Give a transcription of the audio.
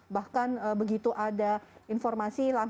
bahkan begitu ada informasi